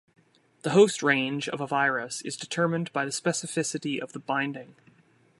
The host range of a virus is determined by the specificity of the binding.